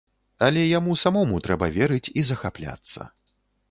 Але яму самому трэба верыць і захапляцца.